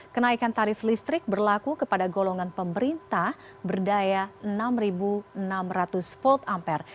kenaikan tarif listrik berlaku kepada golongan pemerintah berdaya enam enam ratus volt ampere